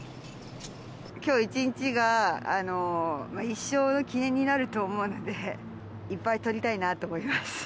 きょう一日が、一生の記念になると思うので、いっぱい撮りたいなと思います。